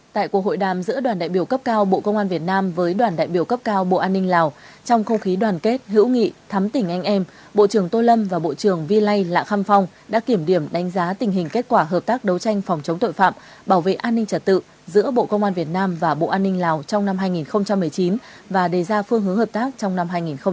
tại cuộc hội đàm giữa đoàn đại biểu cấp cao bộ công an việt nam với đoàn đại biểu cấp cao bộ an ninh lào trong không khí đoàn kết hữu nghị thắm tỉnh anh em bộ trưởng tô lâm và bộ trưởng phi lây la khăm phong đã kiểm điểm đánh giá tình hình kết quả hợp tác đấu tranh phòng chống tội phạm bảo vệ an ninh trả tự giữa bộ công an việt nam và bộ an ninh lào trong năm hai nghìn một mươi chín và đề ra phương hướng hợp tác trong năm hai nghìn hai mươi